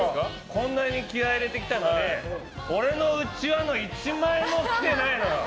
こんなに気合い入れてきたのに俺のうちわの１枚も来てないのよ。